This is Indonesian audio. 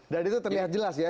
dan itu terlihat jelas ya